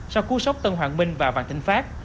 sau cua sốc tân hoàng minh và vàng thịnh pháp